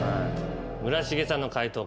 村重さんの解答